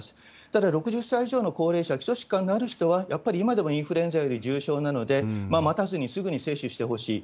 ただ、６０歳以上の高齢者、基礎疾患のある人は、やっぱり今でもインフルエンザより重症なので、待たずに、すぐに接種してほしい。